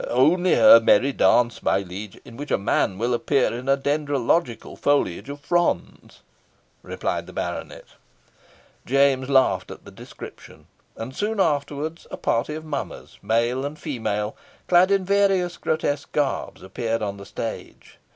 "Only a merry dance, my liege, in which a man will appear in a dendrological foliage of fronds," replied the baronet. James laughed at the description, and soon afterwards a party of mummers, male and female, clad in various grotesque garbs, appeared on the stage.